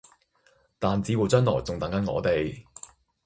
但只要將來仲等緊我哋